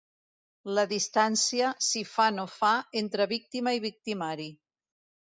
La distància, si fa no fa, entre víctima i victimari.